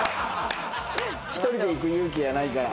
１人で行く勇気はないから。